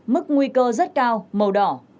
mức nguy cơ rất cao màu đỏ